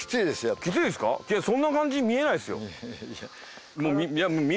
いやそんな感じに見えないですよ。